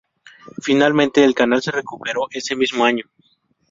Finalmente el canal se "recuperó" ese mismo año.